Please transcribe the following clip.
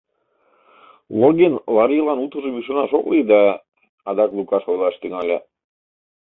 — Логин Ларилан утыжым ӱшанаш ок лий да... — адак Лукаш ойлаш тӱҥале.